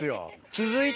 続いて。